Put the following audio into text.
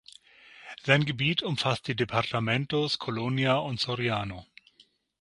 Sein Gebiet umfasst die Departamentos Colonia und Soriano.